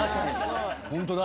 ホントだ。